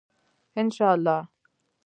انشاالله.